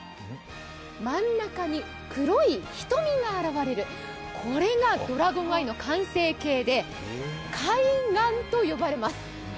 真ん中に黒い瞳が現れる、これが、ドラゴンアイの完成形で、開眼と呼ばれます。